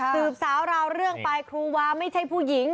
สืบสาวราวเรื่องไปครูวาไม่ใช่ผู้หญิง